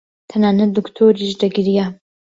تەنانەت دکتۆریش دەگریا.